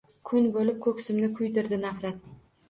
Kun bo’lib ko’ksimni kuydirdi nafrat.